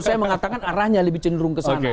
saya mengatakan arahnya lebih cenderung ke sana